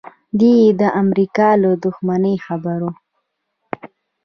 دی یې د امریکا له دښمنۍ خبر و